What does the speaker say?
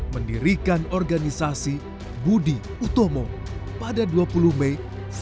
mendirikan organisasi budi utomo pada dua puluh mei seribu sembilan ratus sembilan puluh